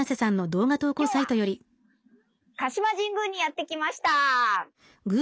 今日は鹿島神宮にやって来ました。